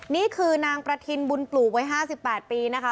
นี่คือนางประทินบุญปลูกไว้๕๘ปีนะคะ